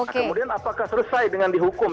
nah kemudian apakah selesai dengan dihukum